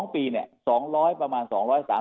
๒ปีเนี่ย๒๐๐ประมาณ๒๓๐กว่าลาย